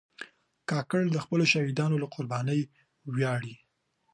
کاکړ د خپلو شهیدانو له قربانۍ ویاړي.